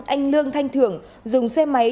anh lương thanh thưởng dùng xe máy